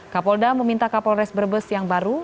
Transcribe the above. kapolda meminta kapolres brebes yang baru